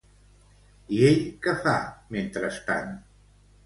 I ell què fa mentrestant?